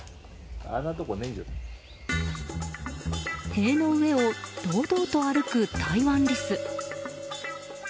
塀の上を堂々と歩くタイワンリス。